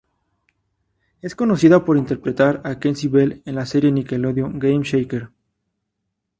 Es conocida por interpretar a Kenzie Bell en la serie de Nickelodeon "Game Shakers".